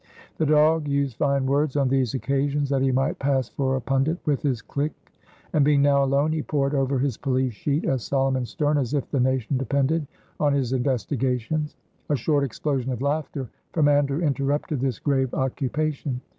The dog used fine words on these occasions, that he might pass for a pundit with his clique, and being now alone he pored over his police sheet as solemn and stern as if the nation depended on his investigations. A short explosion of laughter from Andrew interrupted this grave occupation.